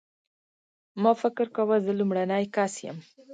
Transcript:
ما فکر کاوه زه لومړنی کس یم.